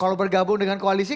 kalau bergabung dengan koalisi